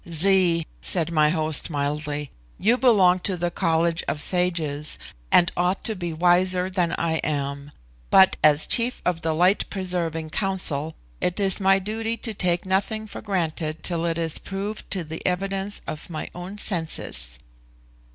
"Zee," said my host mildly, "you belong to the College of Sages, and ought to be wiser than I am; but, as chief of the Light preserving Council, it is my duty to take nothing for granted till it is proved to the evidence of my own senses."